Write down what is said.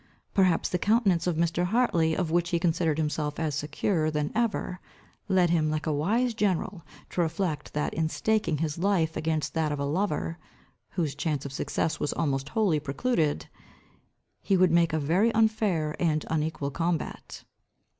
Perhaps the countenance of Mr. Hartley, of which he considered himself as securer than ever, led him, like a wise general, to reflect, that in staking his life against that of a lover, whose chance of success was almost wholly precluded, he mould make a very unfair and unequal combat.